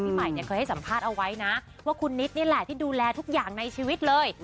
ใหม่เนี่ยเคยให้สัมภาษณ์เอาไว้นะว่าคุณนิดนี่แหละที่ดูแลทุกอย่างในชีวิตเลย